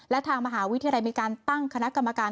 และทางมหาวิทยาลัยมีการตั้งคณะกรรมการ